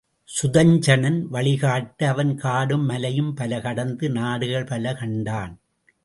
சுதஞ்சணன் வழிகாட்ட அவன் காடும் மலையும் பல கடந்து நாடுகள் பல கண்டான்.